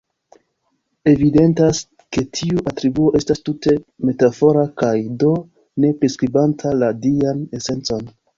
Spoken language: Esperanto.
Evidentas ke tiu atribuo estas tute metafora kaj, do, ne priskribanta la dian esencon.